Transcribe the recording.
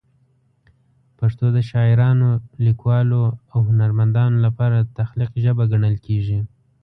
پښتو د شاعرانو، لیکوالو او هنرمندانو لپاره د تخلیق ژبه ګڼل کېږي.